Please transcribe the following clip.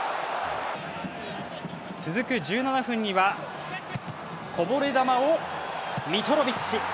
続く１７分にはこぼれ球をミトロビッチ！